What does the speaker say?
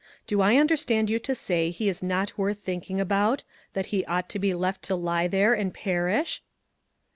Do I understand you to say he is not worth thinking about ; that he ought to be left to lie there and perish